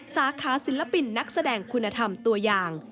สาขาศิลปินนักแสดงคุณธรรมตัวอย่าง